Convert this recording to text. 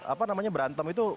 apa namanya berantem itu